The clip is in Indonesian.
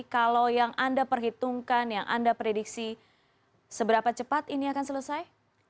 kalau yang anda perhitungkan yang anda prediksi seberapa cepat ini akan selesai